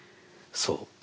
そう。